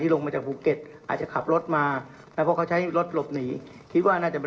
เรารวมรวมมีหลักฐาน